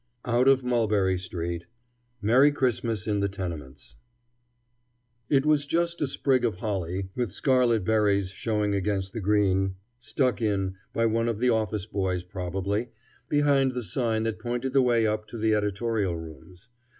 OUT OF MULBERRY STREET MERRY CHRISTMAS IN THE TENEMENTS It was just a sprig of holly, with scarlet berries showing against the green, stuck in, by one of the office boys probably, behind the sign that pointed the way up to the editorial rooms.